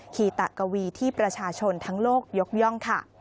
คีตะกวีที่ประชาชนทั้งโลกยกย่องค่ะ